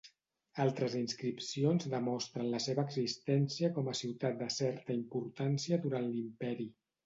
Altres inscripcions demostren la seva existència com a ciutat de certa importància durant l'imperi.